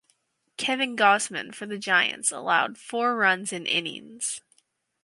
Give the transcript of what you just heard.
Kevin Gausman for the Giants allowed four runs in innings.